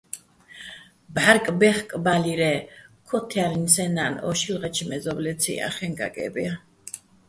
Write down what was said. ბჺარკბე́ხბალირ-ე́, ქოთთჲალინო̆ სეჼ ნა́ნ ო შილღეჩო̆ მეზო́ბლეციჼ ჲახე́ჼ გაგე́ბ ჲაჼ.